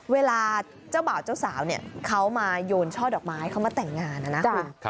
เวลาเจ้าบ่าวเจ้าสาวเนี่ยเขามาโยนช่อดอกไม้เขามาแต่งงานนะนะคุณ